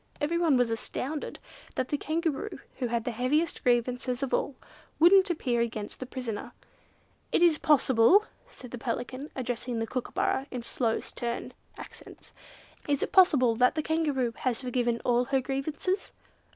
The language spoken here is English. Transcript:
Everyone was astounded that the Kangaroo, who had the heaviest grievances of all, wouldn't appear against the prisoner. "Is it possible," said the Pelican, addressing the Kookooburra in slow stern accents, "Is it possible that the Kangaroo has forgiven all her grievances?"